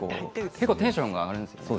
結構テンションが上がるんです。